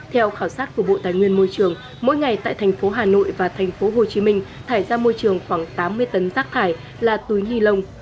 theo khảo sát của bộ tài nguyên môi trường mỗi ngày tại thành phố hà nội và thành phố hồ chí minh thải ra môi trường khoảng tám mươi tấn rác thải là túi ni lông